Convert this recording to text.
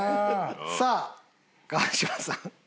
さあ川島さん。